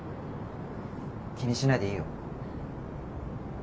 気にしないでいいよ。